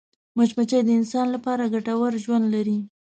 مچمچۍ د انسان لپاره ګټور ژوند لري